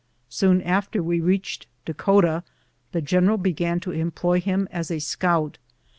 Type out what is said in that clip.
Soon after we reached Dakota the general began to em ploy him as a scout.